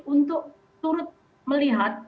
untuk turut melihat